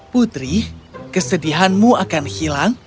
putri kesedihanmu akan hilang